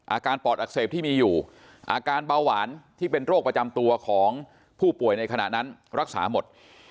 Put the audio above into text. ปอดอักเสบที่มีอยู่อาการเบาหวานที่เป็นโรคประจำตัวของผู้ป่วยในขณะนั้นรักษาหมด